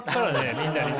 みんなにね。